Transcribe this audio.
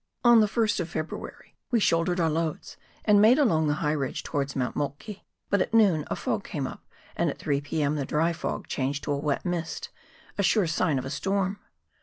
On the 1st of February we shouldered our loads, and made along the high ridge towards Mount Moltke, but at noon a fog came up, and at 3 p.m. the dry fog changed to a wet mist, a sure sign of a storm.